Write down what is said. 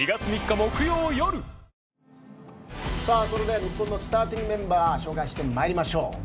それでは日本のスターティングメンバーを紹介してまいりましょう。